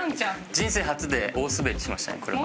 人生初で大スベりしましたねこれは。